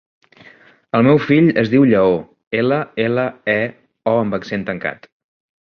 El meu fill es diu Lleó: ela, ela, e, o amb accent tancat.